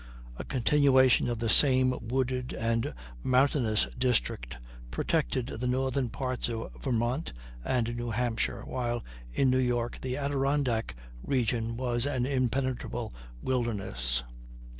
A continuation of the same wooded and mountainous district protected the northern parts of Vermont and New Hampshire, while in New York the Adirondack region was an impenetrable wilderness.